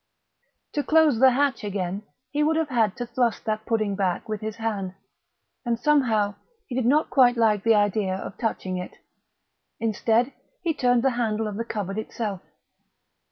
To close the hatch again he would have had to thrust that pudding back with his hand; and somehow he did not quite like the idea of touching it. Instead, he turned the handle of the cupboard itself.